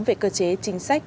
về cơ chế chính sách